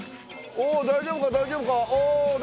おお大丈夫か大丈夫か？